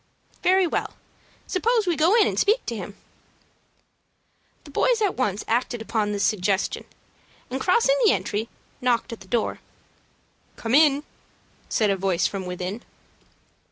"Very well; suppose we go in and speak to him." The boys at once acted upon this suggestion, and, crossing the entry, knocked at the door. "Come in!" said a voice from within.